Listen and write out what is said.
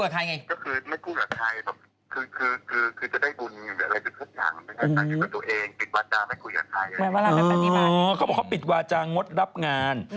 เขาบอกเขาปิดวาจางดรับงาน